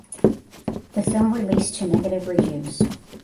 The film released to negative reviews.